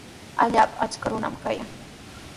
Allaapa achka runami kayan.